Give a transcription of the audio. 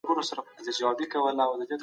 په ټاکنو کي ګډون یو مدني مسؤلیت دی.